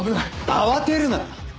慌てるな！